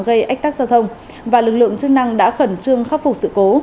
gây ách tắc giao thông và lực lượng chức năng đã khẩn trương khắc phục sự cố